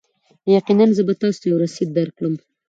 یقینا، زه به تاسو ته یو رسید درکړم.